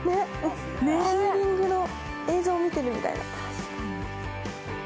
ヒーリングの映像を見てるみたい。